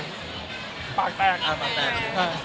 งั้นเขารักษณะใช่บ้าง